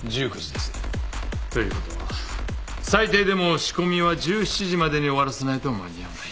ということは最低でも仕込みは１７時までに終わらせないと間に合わない。